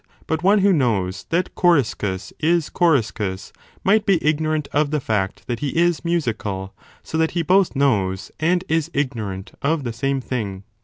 But one who knows that Coriscus is Coriscus might be ignorant of the fact that he is musical, so that he both knows and is ignorant of the same thing.